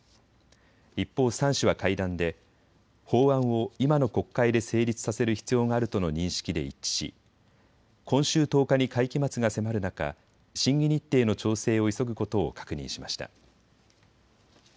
一方、３氏は会談で法案を今の国会で成立させる必要があるとの認識で一致し今週１０日に会期末が迫る中、審議日程の調整を急ぐことを確認しました。